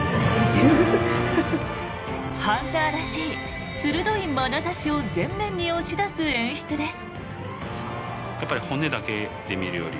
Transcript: ハンターらしい鋭いまなざしを前面に押し出す演出です。